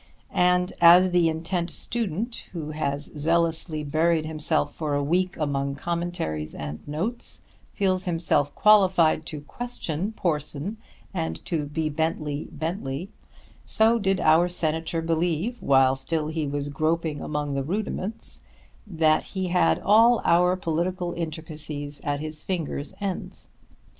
And as the intent student, who has zealously buried himself for a week among commentaries and notes, feels himself qualified to question Porson and to Be Bentley Bentley, so did our Senator believe, while still he was groping among the rudiments, that he had all our political intricacies at his fingers' ends.